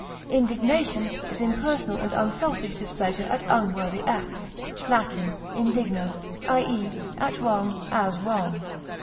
Indignation is impersonal and unselfish displeasure at unworthy acts (L. indigna), i. e., at wrong as wrong.